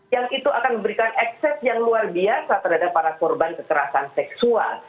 yang itu akan memberikan ekses yang luar biasa terhadap para korban kekerasan seksual